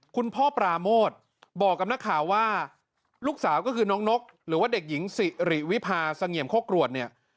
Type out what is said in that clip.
คุณพ่อปราโมทบอกกับนักข่าวว่าลูกสาวก็คือน้องนกหรือว่าเด็กหญิงสิริวิพาเสงี่ยมโคกรวดเนี่ย